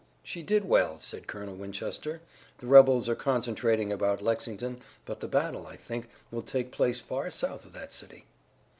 "She did well," said Colonel Winchester. "The rebels are concentrating about Lexington, but the battle, I think, will take place far south of that city."